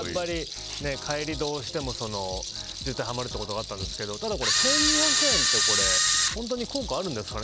帰りどうしても渋滞にはまるということがあったんですけどただ１２００円って本当に効果あるんですかね。